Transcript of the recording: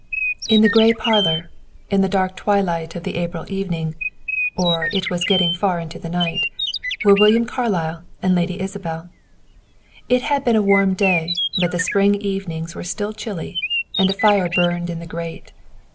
In the gray parlor, in the dark twilight of the April evening or it was getting far into the night were William Carlyle and Lady Isabel. It had been a warm day, but the spring evenings were still chilly, and a fire burned in the grate.